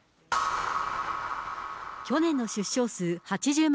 去年の出生数８０万